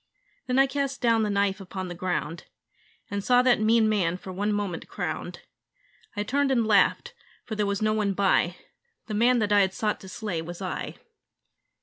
Then I cast down the knife upon the ground And saw that mean man for one moment crowned. I turned and laughed: for there was no one by The man that I had sought to slay was I.